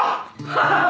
ハハハハ！